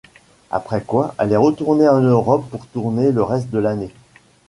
Après quoi, elle est retournée en Europe pour tourner le reste de l'année.